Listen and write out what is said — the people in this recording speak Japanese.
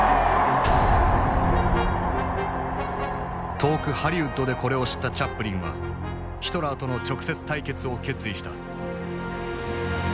遠くハリウッドでこれを知ったチャップリンはヒトラーとの直接対決を決意した。